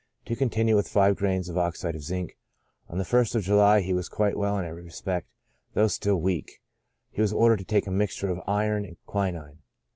To continue with five grains of oxide of zinc." On the I St of July he was quite well in every respect, though still weak; was ordered to take a mixture of iron and quinine.